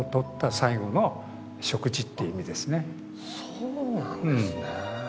そうなんですね。